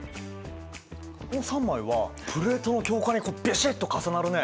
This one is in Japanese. この３枚はプレートの境界にビシッと重なるね。